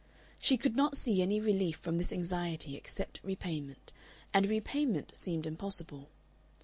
She could not see any relief from this anxiety except repayment, and repayment seemed impossible.